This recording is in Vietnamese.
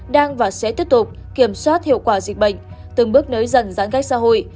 đang và sẽ tiếp tục kiểm soát hiệu quả dịch bệnh từng bước nới dần giãn cách xã hội